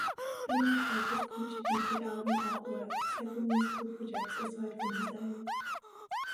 Blinko has contributed album artwork to several musical projects aside from his own.